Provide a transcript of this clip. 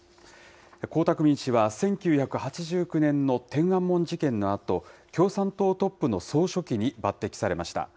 江沢民氏は、１９８９年の天安門事件のあと、共産党トップの総書記に抜てきされました。